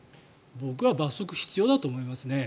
僕は罰則必要だと思いますね。